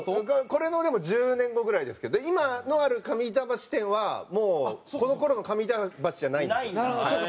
これのでも１０年後ぐらいですけど今ある上板橋店はもうこの頃の上板橋じゃないんですよ。